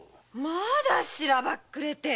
まだしらっぱくれて！